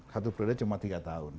satu periode cuma tiga tahun